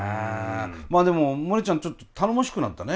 まあでもモネちゃんちょっと頼もしくなったね。